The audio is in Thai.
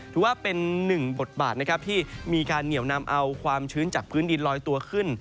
ถือว่าเป็นหนึ่งบทบาทนะครับที่มีการเหนียวนำเอาความชื้นจากพื้นดินลอยตัวขึ้น